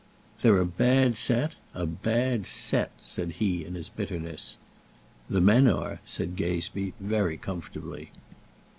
"They're a bad set, a bad set," said he in his bitterness. "The men are," said Gazebee, very comfortably.